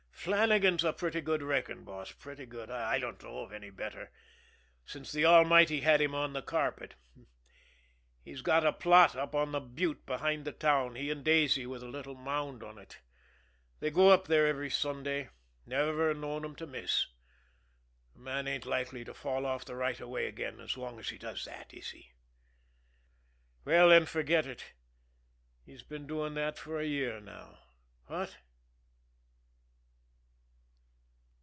"Flannagan's a pretty good wrecking boss, pretty good, I don't know of any better since the Almighty had him on the carpet. He's got a plot up on the butte behind the town, he and Daisy, with a little mound on it. They go up there together every Sunday never've known 'em to miss. A man ain't likely to fall off the right of way again as long as he does that, is he? Well, then, forget it, he's been doing that for a year now what?"